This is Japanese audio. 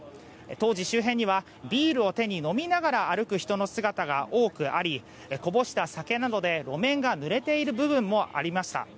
当時、周辺にはビールを手に飲みながら歩く人の姿が多くありこぼした酒などで路面がぬれている部分もありました。